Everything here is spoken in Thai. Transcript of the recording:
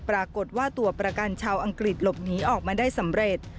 ปรากฏว่าตัวประกันชาวอังกฤษหลบหนีออกมาได้สำเร็จ